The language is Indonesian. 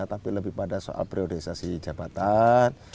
tapi lebih pada soal priorisasi jabatan